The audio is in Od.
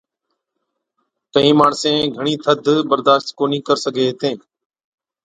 ڪهِين ماڻسين گھڻِي ٿڌ برداشت ڪونهِي ڪر سِگھي هِتين،